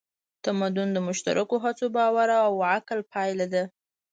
تمدن د مشترکو هڅو، باور او عقل پایله ده.